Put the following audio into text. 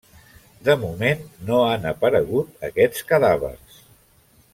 De moment no han aparegut aquests cadàvers.